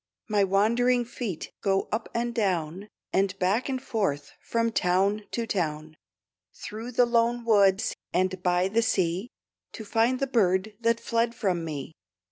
My wandering feet go up and down, And back and forth, from town to town, Through the lone woods and by the sea, To find the bird that fled from me.